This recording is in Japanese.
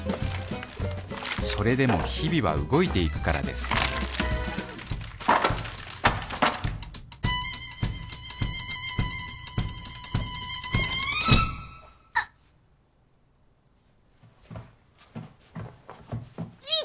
それでも日々は動いていくからですあっ。